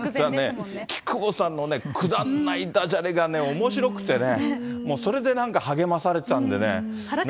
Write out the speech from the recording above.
木久扇さんのね、くだんないだじゃれがおもしろくてね、それでなんか、励まされてたんでね。